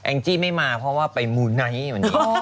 จี้ไม่มาเพราะว่าไปมูไนท์วันนี้